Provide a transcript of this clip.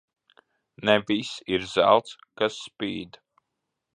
Ne viss ir zelts, kas spīd.